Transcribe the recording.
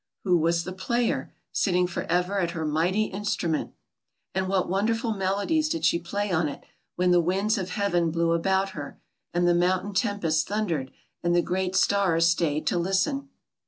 Who was the player, sitting forever at her mighty instrument? And what wonderful melodies did she play on ii when the winds of heaven blew about her and the mountain tempest thundered and the great stars stayed to listen?